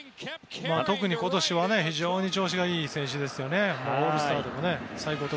特に今年は非常に調子がいい選手ですよね。